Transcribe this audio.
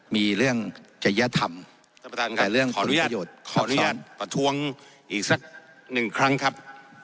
มีเรื่องจริยธรรมแต่เรื่องขออนุญาตขออนุญาตประท้วงอีกสักหนึ่งครั้งครับ